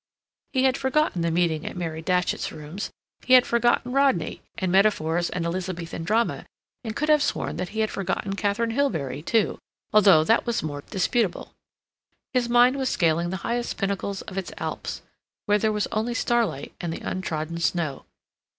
He had forgotten the meeting at Mary Datchet's rooms, he had forgotten Rodney, and metaphors and Elizabethan drama, and could have sworn that he had forgotten Katharine Hilbery, too, although that was more disputable. His mind was scaling the highest pinnacles of its alps, where there was only starlight and the untrodden snow.